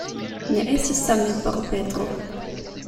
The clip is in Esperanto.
Ne estis same por Petro.